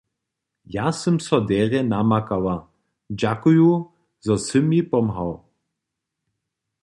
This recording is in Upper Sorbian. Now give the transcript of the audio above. Ja sym so derje namakała, dźakuju, zo sy mi pomhał.